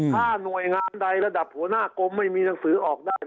ถ้าหน่วยงานใดระดับหัวหน้ากรมไม่มีหนังสือออกได้